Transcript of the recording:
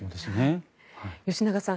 吉永さん